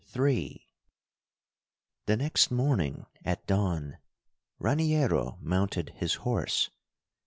III The next morning at dawn Raniero mounted his horse.